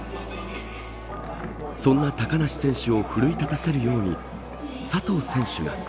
そんな高梨選手を奮い立たせるように佐藤選手が。